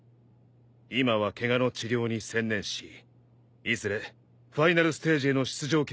今はケガの治療に専念しいずれファイナルステージへの出場権を手に入れるつもりだ。